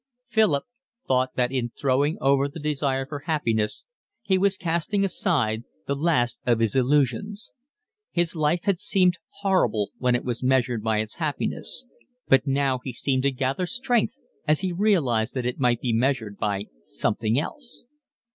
Philip thought that in throwing over the desire for happiness he was casting aside the last of his illusions. His life had seemed horrible when it was measured by its happiness, but now he seemed to gather strength as he realised that it might be measured by something else.